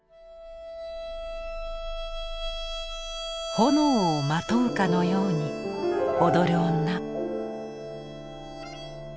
炎をまとうかのように踊る女。